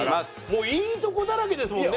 もういいとこだらけですもんね。